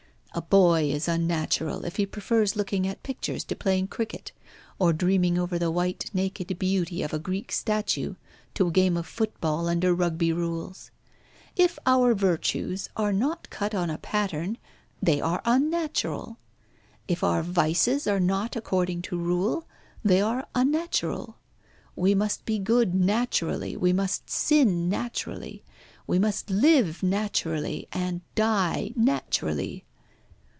A boy is unnatural if he prefers looking at pictures to playing cricket, or dreaming over the white naked beauty of a Greek statue to a game of football under Rugby rules. If our virtues are not cut on a pattern, they are unnatural. If our vices are not according to rule, they are unnatural. We must be good naturally. We must sin naturally. We must live naturally, and die naturally.